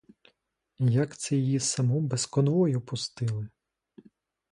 Як це її саму без конвою пустили!